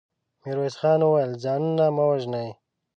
ميرويس خان وويل: ځانونه مه وژنئ.